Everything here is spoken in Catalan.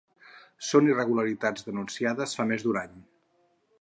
Són irregularitats denunciades fa més d’un any!